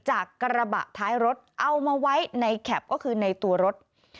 จากกระบะท้ายรถเอามาไว้ในแคปก็คือในตัวรถ